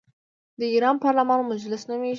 د ایران پارلمان مجلس نومیږي.